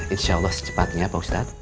insya allah secepatnya pak ustadz